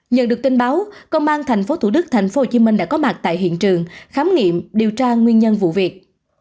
nhận được tin báo công an tp thủ đức tp hcm đã có mặt tại hiện trường khám nghiệm điều tra nguyên nhân vụ việc